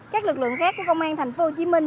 các lực lượng khác của công an thành phố hồ chí minh